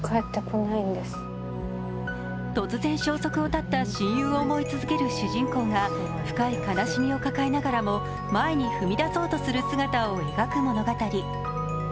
突然、消息を絶った親友を思い続ける主人公が深い悲しみを抱えながらも前に踏み出そうとする姿を描く物語。